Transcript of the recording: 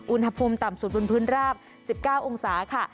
อุณหภูมิต่ำสุดบนพื้นราบ๑๙องศาค่ะ